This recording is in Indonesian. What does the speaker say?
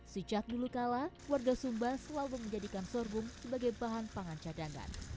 sejak dulu kala warga sumba selalu menjadikan sorghum sebagai bahan pangan cadangan